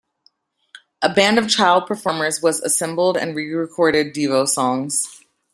A band of child performers was assembled and re-recorded Devo songs.